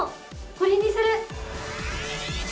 これにする！